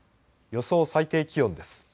予想最低気温です。